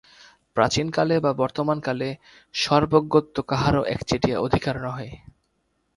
প্রাচীনকালে বা বর্তমানকালে সর্বজ্ঞত্ব কাহারও একচেটিয়া অধিকার নহে।